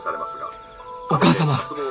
お母様！